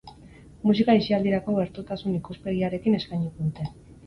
Musika aisialdirako gertutasun ikuspegiarekin eskainiko dute.